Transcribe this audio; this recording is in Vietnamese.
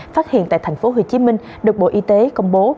phát hiện tại tp hcm được bộ y tế công bố